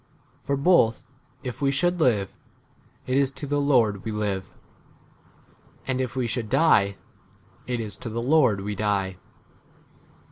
For both if we should live, [it is] to the Lord we live ; and if we should die, [it is] to the Lord we die